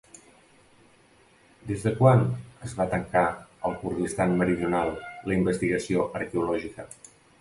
Des de quan es va tancar al Kurdistan meridional la investigació arqueològica?